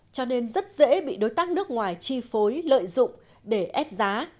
cho nên rất dễ bị đối tác nước ngoài chi phối lợi dụng để ép giá